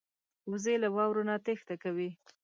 وزې له واورو نه تېښته کوي